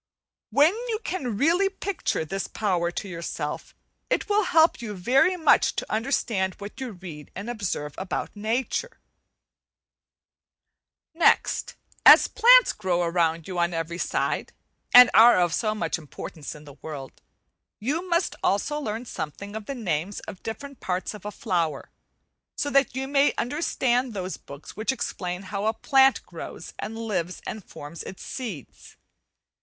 When you can really picture this power to yourself it will help you very much to understand what you read and observe about nature. Next, as plants grow around you on every side, and are of so much importance in the world, you must also learn something of the names of the different parts of a flower, so that you may understand those books which explain how a plant grows and lives and forms its seeds.